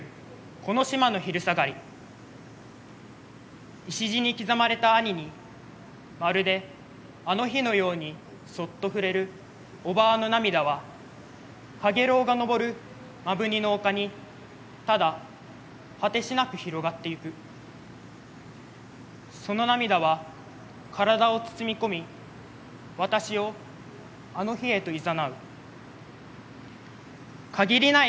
この島の昼下がり礎に刻まれた「兄」にまるであの日のようにそっと触れるおばぁの涙は陽炎が登る摩文仁の丘にただ果てしなく広がっていくその涙は体を包み込み私を「あの日」へといざなう限りない